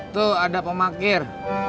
tuh ada pemakir